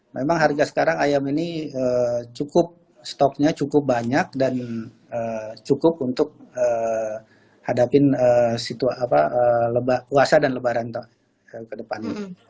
memang harga sekarang ayam ini cukup stoknya cukup banyak dan cukup untuk hadapin puasa dan lebaran ke depan